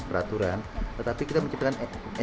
peraturan tetapi kita menciptakan